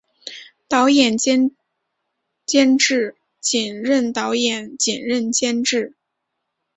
导演兼监制仅任导演仅任监制